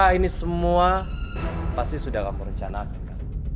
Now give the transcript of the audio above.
ini semua pasti sudah kamu rencanakan